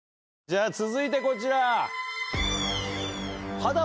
じゃ続いてこちら。